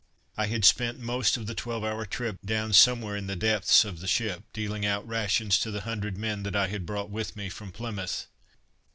I had spent most of the twelve hour trip down somewhere in the depths of the ship, dealing out rations to the hundred men that I had brought with me from Plymouth.